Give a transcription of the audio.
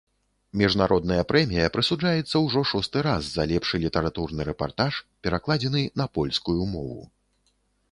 Міжнародная прэмія прысуджаецца ўжо шосты раз за лепшы літаратурны рэпартаж, перакладзены на польскую мову.